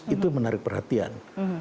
itu yang menarik perhatian